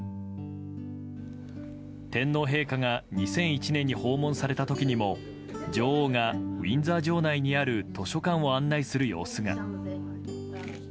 天皇陛下が２００１年に訪問された時にも女王がウィンザー城内にある図書館を案内する様子が。